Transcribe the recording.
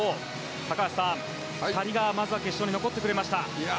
高橋さん、２人が決勝に残ってくれました。